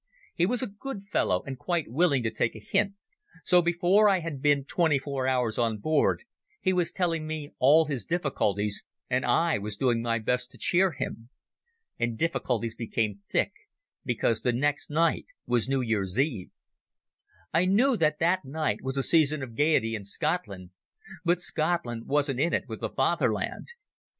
He was a good fellow and quite willing to take a hint, so before I had been twenty four hours on board he was telling me all his difficulties, and I was doing my best to cheer him. And difficulties came thick, because the next night was New Year's Eve. I knew that that night was a season of gaiety in Scotland, but Scotland wasn't in it with the Fatherland.